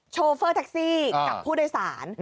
โชเฟอร์แท็กซี่กับผู้โดยสาร